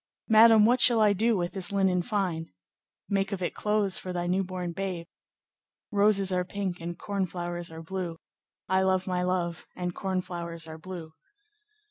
'Madame, what shall I do with this linen fine?'—'Make of it clothes for thy new born babe.' "Roses are pink and corn flowers are blue, I love my love, and corn flowers are blue.